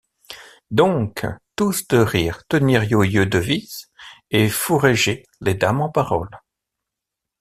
Doncques, tous de rire, tenir ioyeux devis et fourraiger les dames en paroles.